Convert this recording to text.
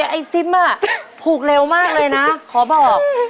ไอ้ซิมผูกเร็วมากเลยนะขอบอก